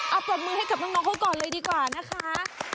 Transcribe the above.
เอาปรบมือให้กับน้องเขาก่อนเลยดีกว่านะคะ